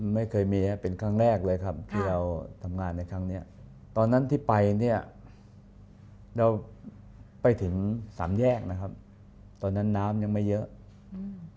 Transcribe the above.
ไม่เคยมีครับเป็นครั้งแรกเลยครับที่เราทำงานในครั้งเนี้ยตอนนั้นที่ไปเนี้ยเราไปถึงสามแยกนะครับตอนนั้นน้ำยังไม่เยอะอืม